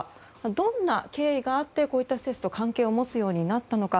どんな経緯があってこういう施設と関連を持つようになったのか。